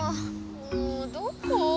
もうどこ？